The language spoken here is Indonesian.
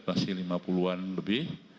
masih lima puluh an lebih